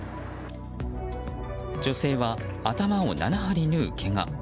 女性は頭を７針縫うけが。